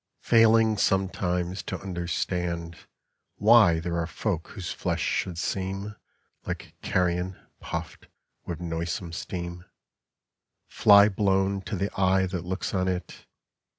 FAILING sometimes to understand Why there are folk whose flesh should seem Like carrion puffed with noisome steam, Fly blown to the eye that looks on it.